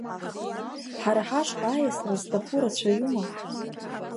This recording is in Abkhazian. Ҳара ҳашҟа аиасра зҭаху рацәаҩума?